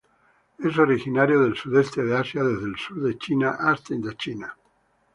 Es originario del sudeste de Asia desde el sur de China hasta Indochina.